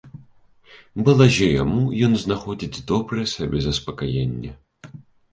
Балазе яму, ён знаходзіць добрае сабе заспакаенне.